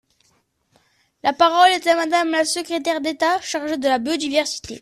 La parole est à Madame la secrétaire d’État chargée de la biodiversité.